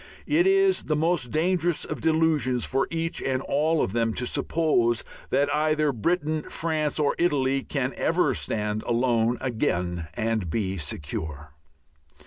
It is the most dangerous of delusions for each and all of them to suppose that either Britain, France or Italy can ever stand alone again and be secure.